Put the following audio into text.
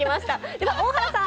では大原さん